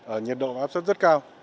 ở nhiệt độ áp sất rất cao